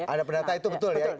ada perdata itu betul ya